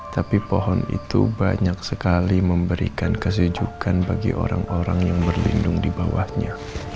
tapi pohon itu banyak sekali memberikan kesejukan bagi orang orang yang berlindung di bawahnya